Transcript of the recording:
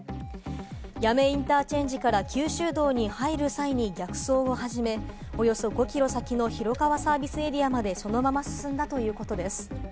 八女インターチェンジから九州道に入る際に逆走を始め、およそ５キロ先の広川サービスエリアまで、そのまま進んだということです。